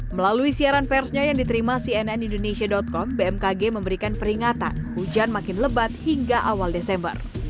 melalui siaran persnya yang diterima cnn indonesia com bmkg memberikan peringatan hujan makin lebat hingga awal desember